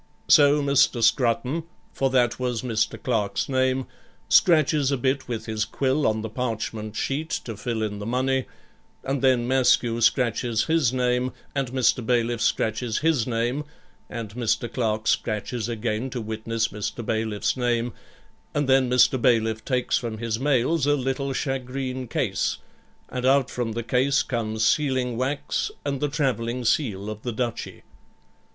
So Mr. Scrutton, for that was Mr. Clerk's name, scratches a bit with his quill on the parchment sheet to fill in the money, and then Maskew scratches his name, and Mr. Bailiff scratches his name, and Mr. Clerk scratches again to witness Mr. Bailiff's name, and then Mr. Bailiff takes from his mails a little shagreen case, and out from the case comes sealing wax and the travelling seal of the Duchy.